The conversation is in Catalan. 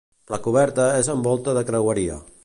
La coberta és amb volta de creueria.